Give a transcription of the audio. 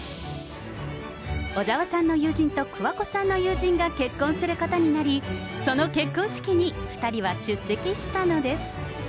小澤さんの友人と桑子さんの友人が結婚することになり、その結婚式に２人は出席したのです。